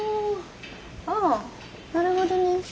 ああなるほどね。